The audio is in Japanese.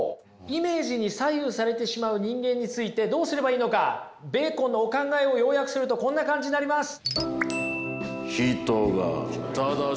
イメージに左右されてしまう人間についてどうすればいいのかベーコンのお考えを要約するとこんな感じになります。